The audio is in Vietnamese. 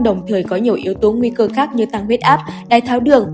đồng thời có nhiều yếu tố nguy cơ khác như tăng huyết áp đá đai tháo đường